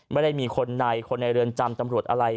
ไม่ได้มีคนในคนในเรือนจำตำรวจอะไร